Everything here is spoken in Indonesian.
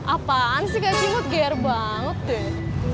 apaan sih kak cimot geyer banget deh